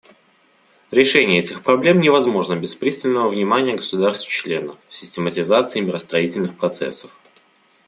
Решение этих проблем невозможно без пристального внимания государств-членов, систематизации миростроительных процессов.